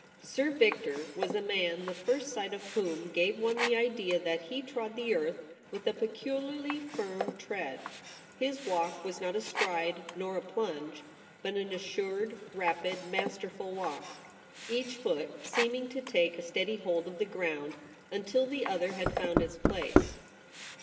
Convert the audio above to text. IR VICTOR was a man the first sight of whom gave one the idea that he trod the earth with a peculiarly firm tread. His walk was not a stride nor a plunge, but an assured, rapid, masterful walk, each foot seeming to take a steady hold of the ground until the other had found its place.